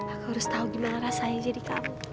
aku harus tahu gimana rasanya jadi kamu